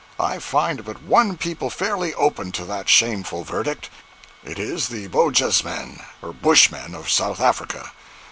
I find but one people fairly open to that shameful verdict. It is the Bosjesmans (Bushmen) of South Africa.